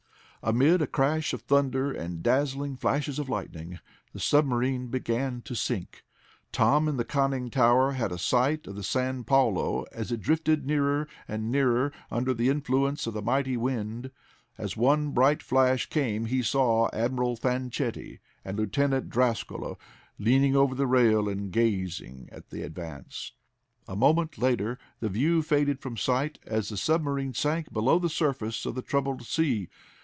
Amid a crash of thunder and dazzling flashes of lightning, the submarine began to sink. Tom, in the conning tower had a sight of the San Paulo as it drifted nearer and nearer under the influence of the mighty wind. As one bright flash came he saw Admiral Fanchetti and Lieutenant Drascalo leaning over the rail and gazing at the Advance. A moment later the view faded from sight as the submarine sank below the surface of the troubled sea.